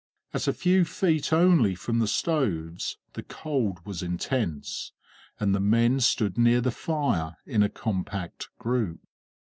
At a few feet only from the stoves the cold was intense, and the men stood near the fire in a compact group.